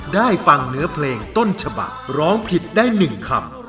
ได้ฟังเนื้อเพลงต้นฉบักร้องผิดได้๑คำ